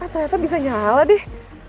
ternyata bisa nyala deh